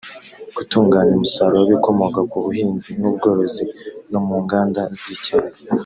gutunganya umusaruro w’ibikomoka ku buhinzi n’ubworozi no mu nganda z’icyayi